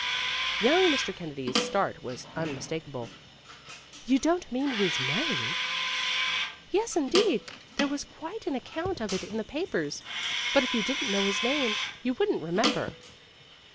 Young Mr. Kennedy's start was unmis takable. "You don't mean he's married?" "Yes indeed. There was quite an account of it in the papers. But if you didn't know his name, you wouldn't remember."